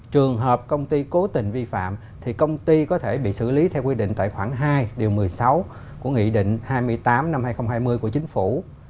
trường hợp công ty cố tình vi phạm thì công ty có thể bị xử lý theo quy định tài khoản hai điều một mươi sáu của nghị định hai mươi tám năm hai nghìn hai mươi của chính phủ